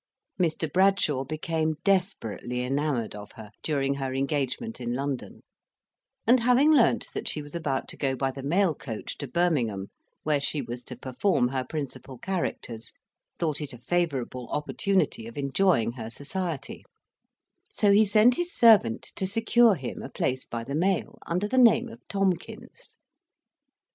Mr. Bradshaw became desperately enamoured of her during her engagement in London, and having learnt that she was about to go by the mail coach to Birmingham, where she was to perform her principal characters, thought it a favourable opportunity of enjoying her society; so he sent his servant to secure him a place by the mail, under the name of Tomkins.